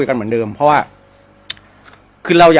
พี่สุดยอดนี้ไม่ใช่ครับ